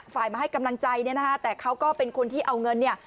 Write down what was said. ฝ่ายมาให้กำลังใจแต่เขาก็เป็นคนที่เอาเงิน